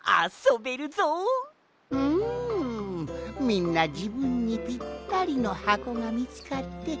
みんなじぶんにぴったりのはこがみつかってよかったのう。